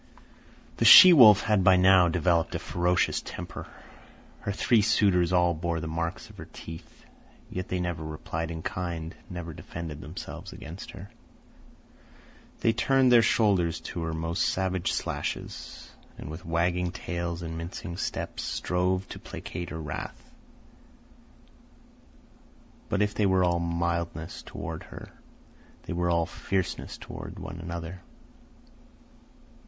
The she wolf had by now developed a ferocious temper. Her three suitors all bore the marks of her teeth. Yet they never replied in kind, never defended themselves against her. They turned their shoulders to her most savage slashes, and with wagging tails and mincing steps strove to placate her wrath. But if they were all mildness toward her, they were all fierceness toward one another.